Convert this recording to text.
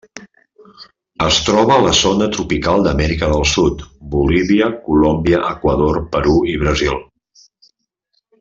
Es troba a la zona tropical d'Amèrica del Sud, Bolívia, Colòmbia, Equador, Perú i Brasil.